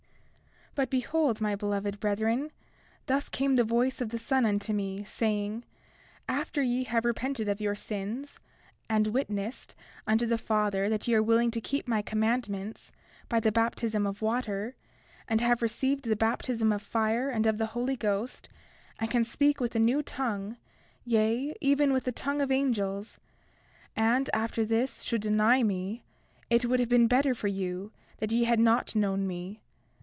31:14 But, behold, my beloved brethren, thus came the voice of the Son unto me, saying: After ye have repented of your sins, and witnessed unto the Father that ye are willing to keep my commandments, by the baptism of water, and have received the baptism of fire and of the Holy Ghost, and can speak with a new tongue, yea, even with the tongue of angels, and after this should deny me, it would have been better for you that ye had not known me.